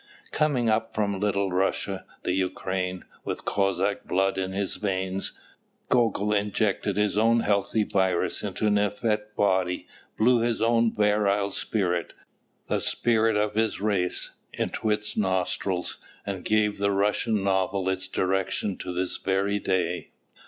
Coming up from Little Russia, the Ukraine, with Cossack blood in his veins, Gogol injected his own healthy virus into an effete body, blew his own virile spirit, the spirit of his race, into its nostrils, and gave the Russian novel its direction to this very day.